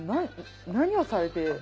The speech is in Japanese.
何をされて？